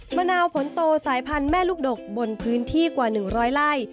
มะนาวผลโตสายพันธุ์แม่ลูกดกบนพื้นที่กว่า๑๐๐ไร่